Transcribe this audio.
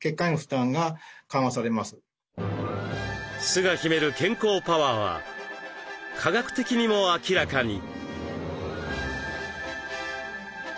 酢が秘める健康パワーは科学的にも明らかに。